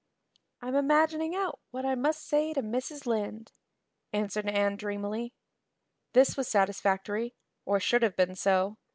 "I'm imagining out what I must say to Mrs. Lynde," answered Anne dreamily. This was satisfactory or should have been so.